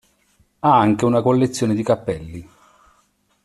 Ha anche una collezione di cappelli.